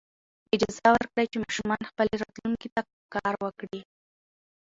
اجازه ورکړئ چې ماشومان خپلې راتلونکې ته کار وکړي.